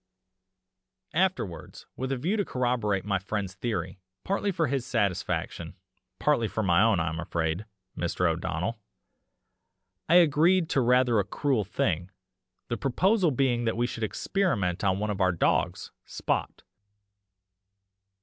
"Afterwards, with a view to corroborate my friend's theory, partly for his satisfaction, partly for my own, I am afraid, Mr. O'Donnell, I agreed to rather a cruel thing the proposal being that we should experiment on one of our dogs Spot.